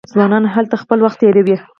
ځوانان هلته خپل وخت تیروي.